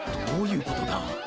どどういうことだ？